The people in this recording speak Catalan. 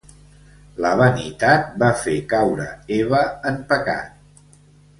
La vanitat va fer caure Eva en pecat.